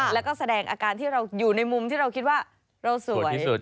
แล้วก็แสดงอาการที่เราอยู่ในมุมที่เราคิดว่าเราสวย